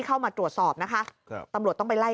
เข้ามาตรวจสอบนะคะครับตำรวจต้องไปไล่